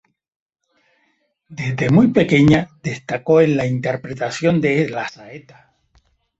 Desde muy pequeña destacó en la interpretación de la saeta.